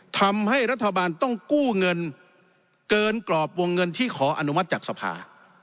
ทำให้รัฐบาลต้องกู้เงินเกินกรอบวงเงินที่ขออนุมัติจากสภา